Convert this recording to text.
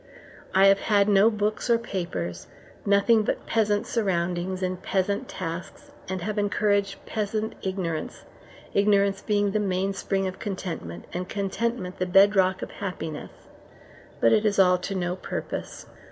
I have had no books or papers, nothing but peasant surroundings and peasant tasks, and have encouraged peasant ignorance ignorance being the mainspring of contentment, and contentment the bed rock of happiness; but it is all to no purpose.